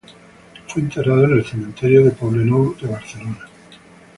Fue enterrado en el cementerio del Poblenou de Barcelona.